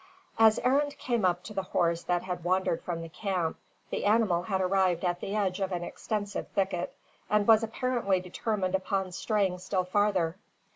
As Arend came up to the horse that had wandered from the camp, the animal had arrived at the edge of an extensive thicket, and was apparently determined upon straying still farther.